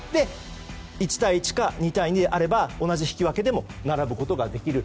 １対１か２対２であれば同じ引き分けでも並ぶことができる。